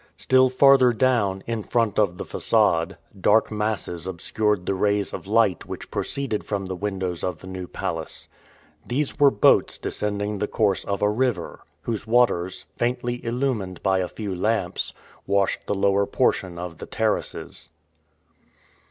Still farther down, in front of the facade, dark masses obscured the rays of light which proceeded from the windows of the New Palace. These were boats descending the course of a river, whose waters, faintly illumined by a few lamps, washed the lower portion of the terraces.